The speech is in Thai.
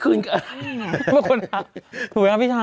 คุณพระคุณพ่อถูกเลยครับพี่เฉา